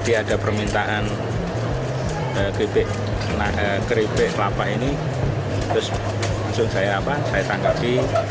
jadi ada permintaan keripik kelapa ini terus langsung saya tangkapi